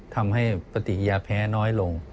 ทำให้ปฏิกิยาแพ้น้อยลง